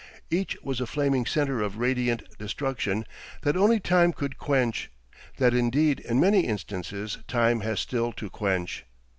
Each was a flaming centre of radiant destruction that only time could quench, that indeed in many instances time has still to quench.